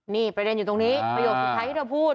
นี่ประเด็นอยู่ตรงนี้ประโยคสุดท้ายที่เธอพูด